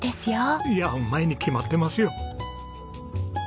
うまいに決まってますよ。